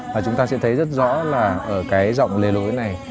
và chúng ta sẽ thấy rất rõ là ở cái giọng lề lối này